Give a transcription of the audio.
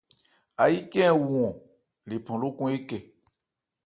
Áyí khɛ́n ɛ wu-ɔn lephan lókɔn ékɛ.